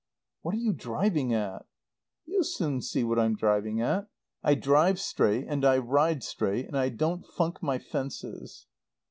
"What are you driving at?" "You'll soon see what I'm driving at. I drive straight. And I ride straight. And I don't funk my fences.